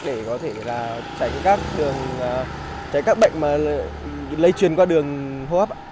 để có thể là tránh các bệnh lây truyền qua đường hô hấp